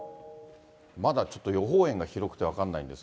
まだちょっと予報円が広くて分かんないんですが。